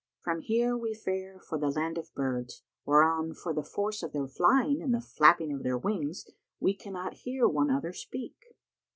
From here we fare for the Land of Birds, whereon for the force of their flying and the flapping of their wings, we cannot hear one other speak.